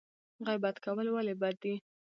غیبت کول ولې بد دي؟